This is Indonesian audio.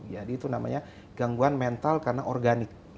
jadi itu namanya gangguan mental karena organik